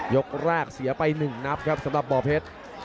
ยกแรกเสียไป๑นับครับสำหรับบ่อเพชร